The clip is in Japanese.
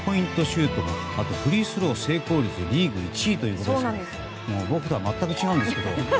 シュートとフリースロー成功率がリーグ１位ということで僕とは全く違うんですけどね。